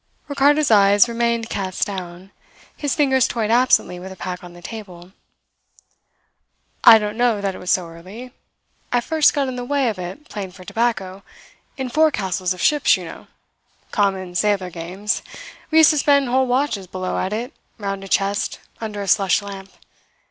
Ricardo's eyes remained cast down. His fingers toyed absently with the pack on the table. "I don't know that it was so early. I first got in the way of it playing for tobacco in forecastles of ships, you know common sailor games. We used to spend whole watches below at it, round a chest, under a slush lamp.